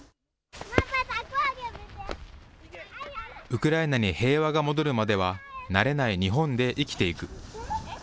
ウクライナに平和が戻るまでは慣れない日本で生きていく。